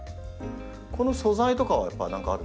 この素材とかはやっぱり何かあるんですか？